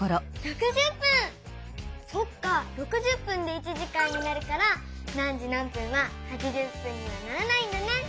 そっか６０分で１時間になるから何時何分は８０分にはならないんだね。